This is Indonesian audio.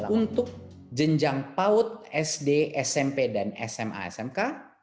untuk jenjang paut sd smp dan sma smk